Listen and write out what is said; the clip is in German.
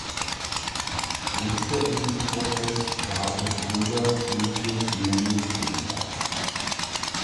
Richter in diesem Prozess war ihr Bruder Lucius Iulius Caesar.